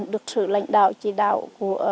được sự lãnh đạo chỉ đạo